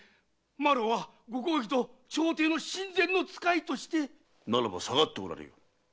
麻呂はご公儀と朝廷の親善の遣いとして！ならば下がっておられよ。